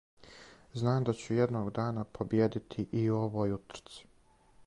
Знам да ћу једног дана побиједити и у овој утрци.